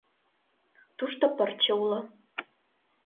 Тушто пырче уло.